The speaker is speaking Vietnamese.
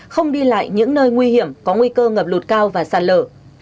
không đi lại những nơi nguy hiểm có nguy cơ ngập lụt cao và sạt lở